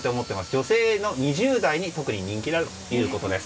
女性の２０代に特に人気だということです。